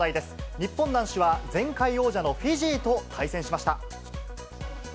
日本男子は前回王者のフィジーと対戦しました。